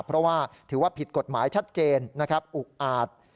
เพราะว่าถือว่าผิดกฎหมายชัดเจนอุ๊กอาด